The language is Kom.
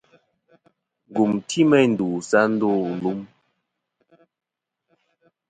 Ngùm ti meyn ndu sɨ a ndô lum.